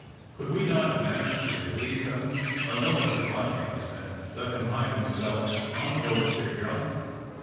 Could we not manage to release them while no one is watching us, and let them hide themselves on board their junk?